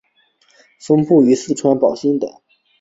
分布于四川宝兴等。